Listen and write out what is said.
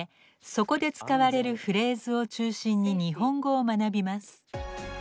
そこで使われるフレーズを中心に日本語を学びます。